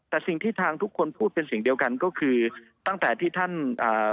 แต่สิ่งที่ทางทุกคนพูดเป็นเสียงเดียวกันก็คือตั้งแต่ที่ท่านอ่า